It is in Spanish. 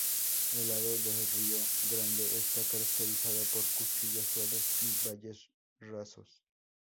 El lado de Río Grande está caracterizado por cuchillas suaves y valles rasos.